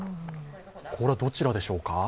これはどちらでしょうか？